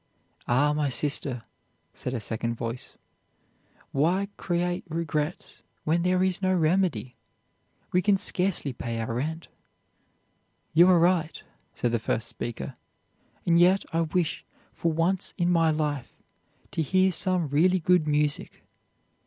'Ah! my sister,' said a second voice; 'why create regrets when there is no remedy? We can scarcely pay our rent.' 'You are right,' said the first speaker, 'and yet I wish for once in my life to hear some really good music.